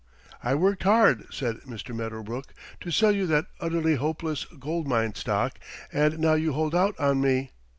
"I worked hard," said Mr. Medderbrook, "to sell you that Utterly Hopeless Gold Mine stock and now you hold out on me.